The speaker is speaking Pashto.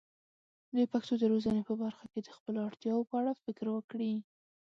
د پښتو د روزنې په برخه کې د خپلو اړتیاوو په اړه فکر وکړي.